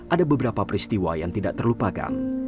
ada beberapa peristiwa yang tidak terlupakan